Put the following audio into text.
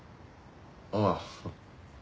ああ。